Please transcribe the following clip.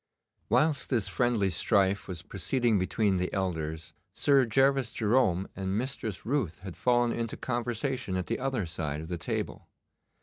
Whilst this friendly strife was proceeding between the elders, Sir Gervas Jerome and Mistress Ruth had fallen into conversation at the other side of the table.